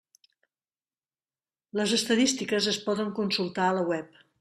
Les estadístiques es poden consultar a la web.